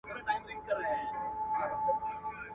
دا مورچل، مورچل پکتيا او دا شېر برېتي!